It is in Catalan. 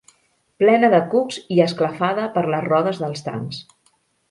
Plena de cucs i esclafada per les rodes dels tancs.